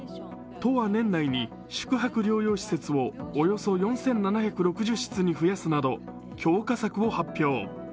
都は年内に宿泊療養施設をおよそ４７６０室に増やすなど強化策を発表。